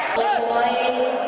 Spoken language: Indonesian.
bangka bangka adi